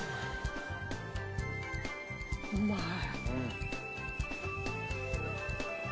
うまい。